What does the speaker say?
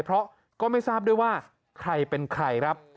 เพราะก็ไม่ทราบด้วยว่าใครเป็นใครครับ